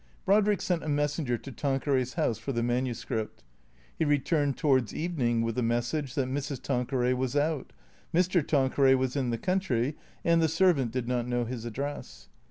Brodrick sent a messenger to Tanqueray's house for the manuscript. He returned towards evening with a message that Mrs. Tanqueray was out, Mr. Tanqueray was in the country and the servant did not know his address.